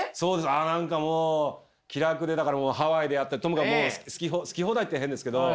何かもう気楽でハワイでやってともかく好き放題って変ですけど。